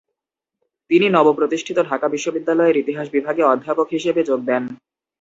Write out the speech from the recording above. তিনি নবপ্রতিষ্ঠিত ঢাকা বিশ্ববিদ্যালয়ের ইতিহাস বিভাগে অধ্যাপক হিসেবে যোগ দেন।